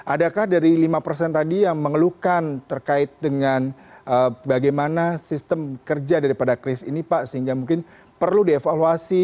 adakah dari lima persen tadi yang mengeluhkan terkait dengan bagaimana sistem kerja daripada kris ini pak sehingga mungkin perlu dievaluasi